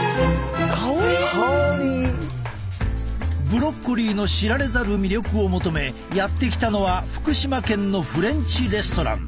ブロッコリーの知られざる魅力を求めやって来たのは福島県のフレンチレストラン。